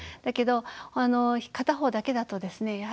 だけど片方だけだとですね